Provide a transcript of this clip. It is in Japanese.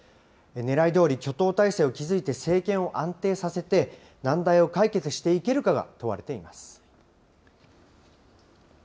ねらいどおり、挙党態勢を築いて政権を安定させて、難題を解決していけるかが問われています。